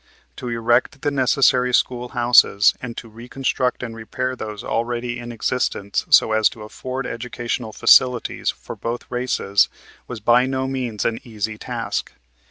To erect the necessary school houses and to reconstruct and repair those already in existence so as to afford educational facilities for both races was by no means an easy task.